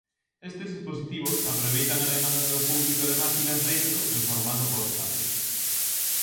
Este dispositivos aproveitan a demanda do público de máquinas retro en formato portátil.